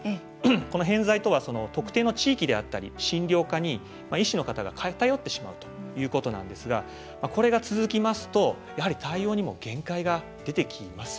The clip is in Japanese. この偏在とは特定の地域であったり診療科に医師の方が偏ってしまうということなんですがこれが続きますと、やはり対応にも限界が出てきますよね。